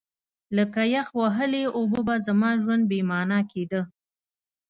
لکه یخ وهلې اوبه به زما ژوند بې مانا کېده.